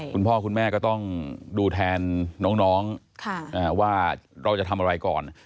คุณพ่อคุณแม่ก็ต้องดูแทนน้องว่าเราจะทำอะไรก่อน